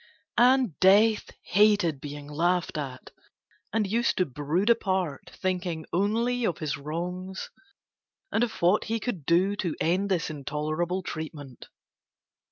And Death hated being laughed at, and used to brood apart thinking only of his wrongs and of what he could do to end this intolerable treatment.